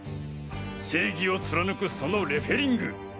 正義をつらぬくそのレフェリング。